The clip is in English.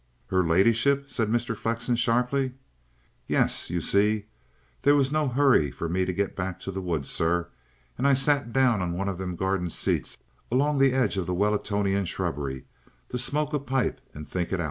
"Her ladyship?" said Mr. Flexen sharply. "Yes. You see, there was no 'urry for me to go back to the woods, sir; an' I sat down on one of them garden seats along the edge of the Wellin'tonia shrubbery to smoke a pipe and think it ou'.